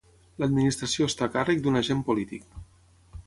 L'administració està a càrrec d'un agent polític.